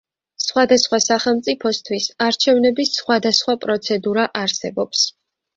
სხვადასხვა სახელმწიფოსთვის არჩევნების სხვადასხვა პროცედურა არსებობს.